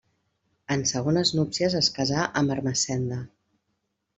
En segones núpcies es casà amb Ermessenda.